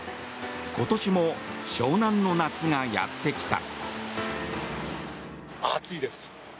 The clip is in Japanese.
今年も湘南の夏がやってきた。